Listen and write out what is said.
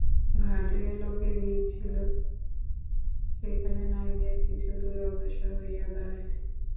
ঘাটে লোকের ভিড় ছিল সেখানে না গিয়া কিছু দূরে অগ্রসর হইয়া দাঁড়াইলেন।